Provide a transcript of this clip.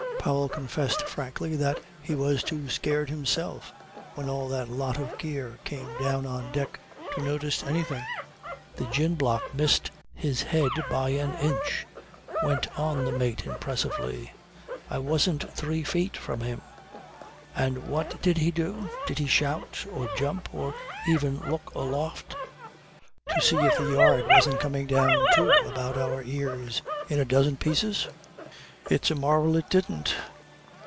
Powell confessed frankly that he was too scared himself when all that lot of gear came down on deck to notice anything. "The gin block missed his head by an inch," went on the mate impressively. "I wasn't three feet from him. And what did he do? Did he shout, or jump, or even look aloft to see if the yard wasn't coming down too about our ears in a dozen pieces? It's a marvel it didn't.